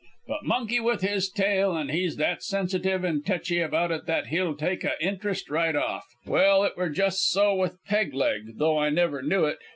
But monkey with his tail an' he's that sensitive an' techy about it that he'll take a interest right off. "Well, it were just so with Peg leg though I never knew it.